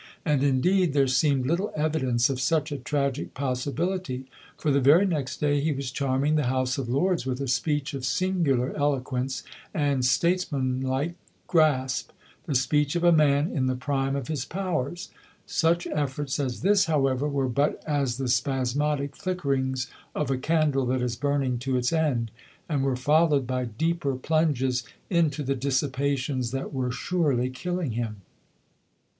And, indeed, there seemed little evidence of such a tragic possibility; for the very next day he was charming the House of Lords with a speech of singular eloquence and statesmanlike grasp the speech of a man in the prime of his powers. Such efforts as this, however, were but as the spasmodic flickerings of a candle that is burning to its end, and were followed by deeper plunges into the dissipations that were surely killing him.